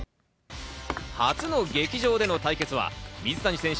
初の劇場での対決は水谷選手